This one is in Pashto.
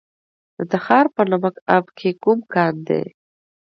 د تخار په نمک اب کې کوم کان دی؟